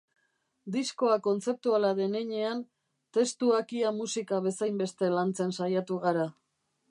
Diskoa kontzeptuala den heinean, testuak ia musika bezainbeste lantzen saiatu gara.